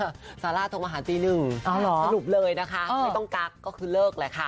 ซาร่าโทรมาหาตีหนึ่งสรุปเลยนะคะไม่ต้องกักก็คือเลิกแหละค่ะ